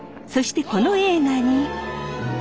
そしてこの映画に。